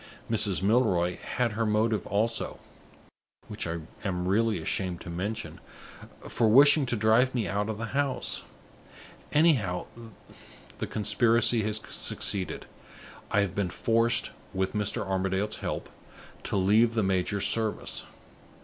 Mrs. Milroy had her motive also (which I am really ashamed to mention) for wishing to drive me out of the house. Anyhow, the conspiracy has succeeded. I have been forced (with Mr. Armadale's help) to leave the major's service.